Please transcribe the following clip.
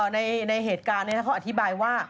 ในเหตุการณ์นี้เขาอธิบายว่า